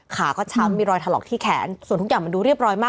ขาก็ช้ำมีรอยถลอกที่แขนส่วนทุกอย่างมันดูเรียบร้อยมาก